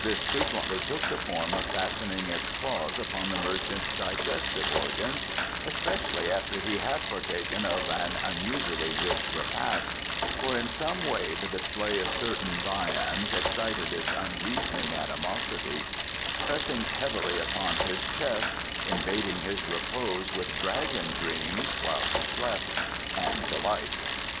This frequently took the form of fastening its claws upon the merchant's digestive organs, especially after he had partaken of an unusually rich repast (for in some way the display of certain viands excited its unreasoning animosity), pressing heavily upon his chest, invading his repose with dragon dreams while he slept, and the like.